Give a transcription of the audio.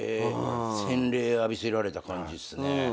洗礼浴びせられた感じっすね。